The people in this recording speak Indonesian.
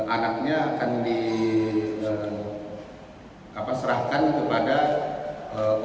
anaknya akan diserahkan kepada ibu hamil